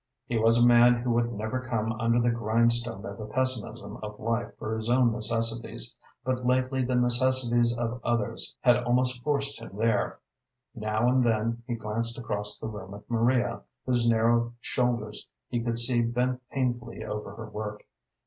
He was a man who would never come under the grindstone of the pessimism of life for his own necessities, but lately the necessities of others had almost forced him there. Now and then he glanced across the room at Maria, whose narrow shoulders he could see bent painfully over her work.